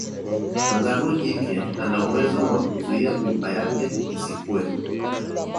Kangaroo jike anauwezo wa kuzuia mimba yake isikue